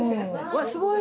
わっすごい！